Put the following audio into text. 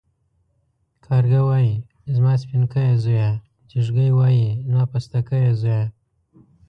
کارگه وايي زما سپينکيه زويه ، ځېږگى وايي زما پستکيه زويه.